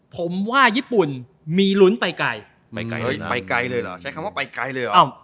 ผมว่าญี่ปุ่นมีลุ้นไปไกลไปไกลไปไกลเลยเหรอใช้คำว่าไปไกลเลยเหรอ